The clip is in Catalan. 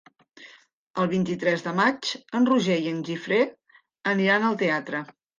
El vint-i-tres de maig en Roger i en Guifré aniran al teatre.